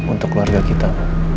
untuk warga kita